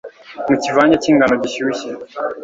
mu kivange cyingano gishyushye